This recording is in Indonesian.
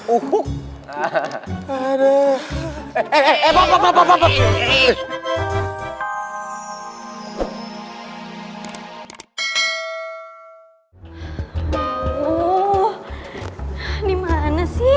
oh dimana sih